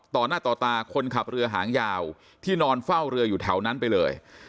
ต่อหน้าต่อตาคนขับเรือหางยาวที่นอนเฝ้าเรืออยู่แถวนั้นไปเลย